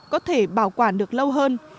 có thể bảo quản được lâu hơn